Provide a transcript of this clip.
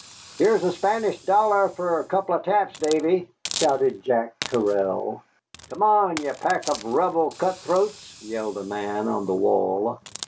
"Here's a Spanish dollar for a couple o' taps, Davy," shouted Jack Terrell. "Come on, ye pack of Rebel cutthroats!" yelled a man on the wall.